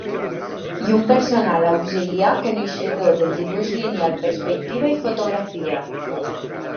I un personal auxiliar coneixedor del dibuix lineal, perspectiva i fotografia.